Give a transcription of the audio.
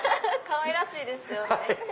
かわいらしいですよね。